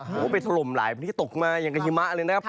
โอ้โหไปถล่มหลายพื้นที่ตกมาอย่างกับหิมะเลยนะครับ